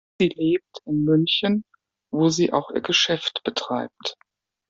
Sie lebt in München, wo sie auch ihr Geschäft betreibt.